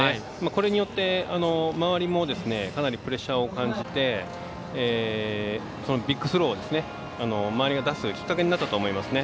これによって周りもかなりプレッシャーを感じてビッグスローを周りが出すきっかけになったと思います。